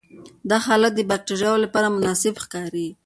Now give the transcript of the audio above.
دا حالت د باکټریاوو لپاره مناسب ښکاري.